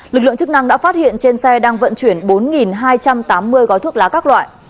lực lượng chức năng đã phát hiện trên xe đang vận chuyển bốn hai trăm tám mươi gói thuốc lá các loại